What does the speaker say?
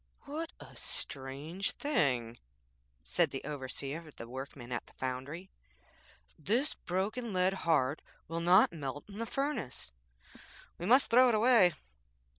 'What a strange thing!' said the overseer of the workmen at the foundry.'This broken lead heart will not melt in the furnace. We must throw it away.'